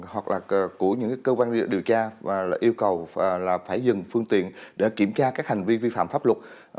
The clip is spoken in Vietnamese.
hoặc là của những cơ quan điều tra và yêu cầu là phải dừng phương tiện để kiểm tra các hành vi vi phạm pháp luật